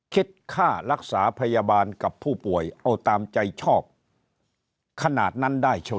คิดค่ารักษาพยาบาลกับผู้ป่วยเอาตามใจชอบขนาดนั้นได้เฉอ